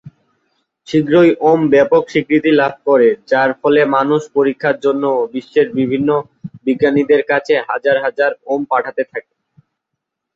শীঘ্রই ওম ব্যাপক স্বীকৃতি লাভ করে, যার ফলে মানুষ পরীক্ষার জন্য বিশ্বের বিভিন্ন বিজ্ঞানীদের কাছে হাজার হাজার ওম পাঠাতে থাকেন।